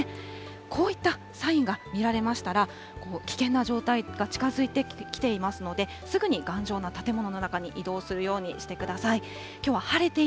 こういったサインが見られましたら、危険な状態が近づいてきていますので、すぐに頑丈な建物の中に移動するようにしてください。